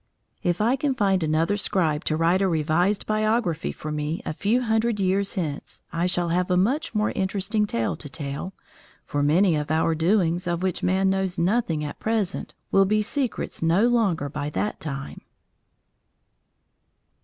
If I can find another scribe to write a revised biography for me a few hundred years hence, I shall have a much more interesting tale to tell, for many of our doings, of which man knows nothing at present, will be secrets no longer by that time.